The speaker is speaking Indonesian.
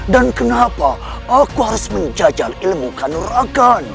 dan kenapa aku harus menjajal ilmu kanuragan